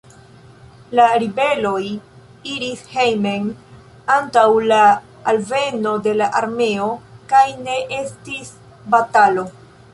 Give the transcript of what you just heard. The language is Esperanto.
La ribeloj iris hejmen antaŭ la alveno de la armeo, kaj ne estis batalo.